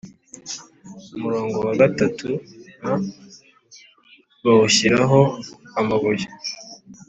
Umurongo wa gatatu m bawushyiraho amabuye